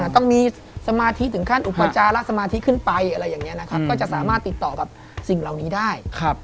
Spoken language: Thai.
ต้องมีสมาธิถึงขั้นอุปจาระสมาธิขึ้นไปก็จะสามารถติดต่อกับสิ่งเหล่านี้ได้